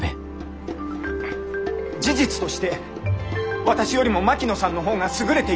事実として私よりも槙野さんの方が優れています。